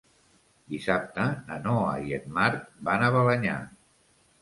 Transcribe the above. Dissabte na Noa i en Marc van a Balenyà.